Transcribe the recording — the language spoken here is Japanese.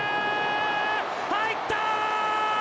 入った！